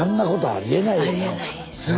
ありえないです。